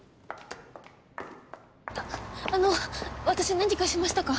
あっあの私何かしましたか？